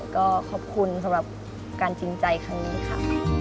ก็ขอบคุณสำหรับการจริงใจครั้งนี้ค่ะ